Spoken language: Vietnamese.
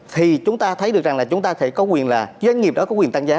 thì chúng ta thấy được rằng doanh nghiệp đó có quyền tăng giá